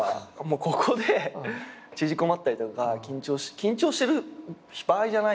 ここで縮こまったりとか緊張してる場合じゃないなって。